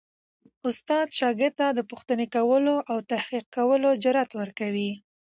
استاد شاګرد ته د پوښتنې کولو او تحقیق کولو جرئت ورکوي.